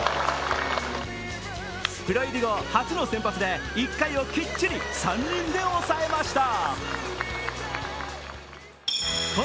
プロ入り後初の先発で１回をきっちり３人で抑えました。